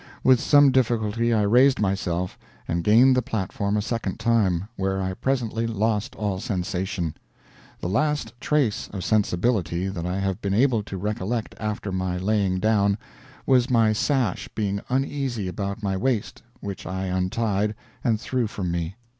With some difficulty I raised myself, and gained the platform a second time, where I presently lost all sensation; the last trace of sensibility that I have been able to recollect after my laying down, was my sash being uneasy about my waist, which I untied, and threw from me.